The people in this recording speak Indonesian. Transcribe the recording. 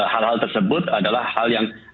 hal hal tersebut adalah hal yang